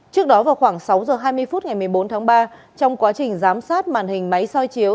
trước đó vào khoảng sáu h hai mươi phút ngày một mươi bốn tháng ba trong quá trình giám sát màn hình máy soi chiếu